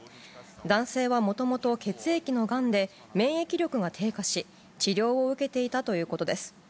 男性はもともと血液のがんで、免疫力が低下し、治療を受けていたということです。